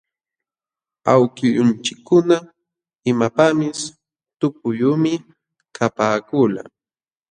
Awkillunchikkuna imapaqpis tupuyuqmi kapaakulqa.